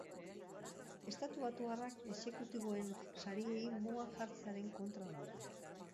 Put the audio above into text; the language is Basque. Estatubatuarrak exekutiboen sariei mugak jartzearen kontra daude.